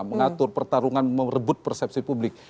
mengatur pertarungan merebut persepsi publik